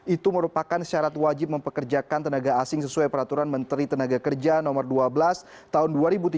itu merupakan syarat wajib mempekerjakan tenaga asing sesuai peraturan menteri tenaga kerja no dua belas tahun dua ribu tiga belas